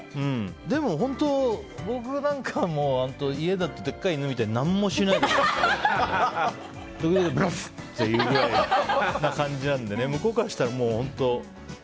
でも本当僕なんかも家だとでっかい犬みたいに何もしないで時々、ブフッて言うくらいな感じなので向こうからしたら本当。